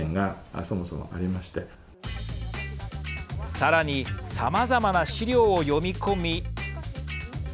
さらにさまざまな資料を読み込み。